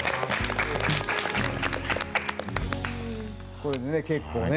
これでね結構ね。